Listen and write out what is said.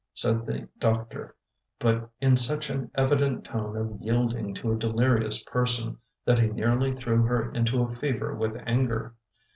said the doctor, but in such an evident tone of yielding to a delirious person, that he nearly threw her into a fever with anger.